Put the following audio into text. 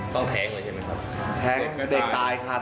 ต้องแท้งเลยใช่ไหมครับ